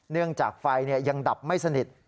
จากไฟยังดับไม่สนิท